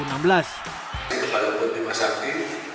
ini kepala bima sakti